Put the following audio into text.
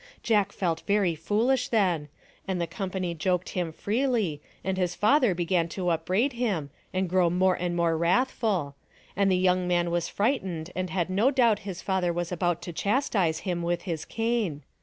Jack felt very foolish then, and the company joked him freely and his father began to upbraid him and grew more and more wrathful, and the young man was frightened and had no doubt his father was about to chastise him with his cane.